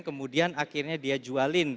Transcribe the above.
kemudian akhirnya dia jualin